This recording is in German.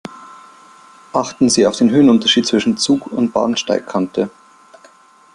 Achten Sie auf den Höhenunterschied zwischen Zug und Bahnsteigkante.